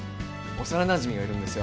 幼なじみがいるんですよ。